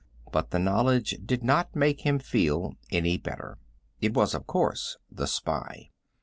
But the knowledge did not make him feel any better. It was, of course, the spy.